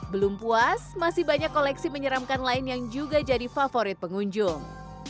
belum puas masih banyak koleksi menyeramkan lain yang juga jadi favorit pengunjung